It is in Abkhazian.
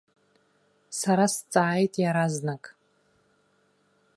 Сара сҵааит иаразнак.